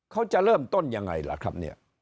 เขาจะเริ่มต้นยังไงล่ะครับเนี่ย